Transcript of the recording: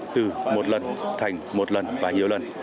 từ một lần thành một lần và nhiều lần